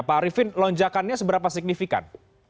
pak arifin lonjakannya seberapa signifikan